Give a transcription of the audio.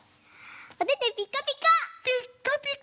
おててピッカピカ！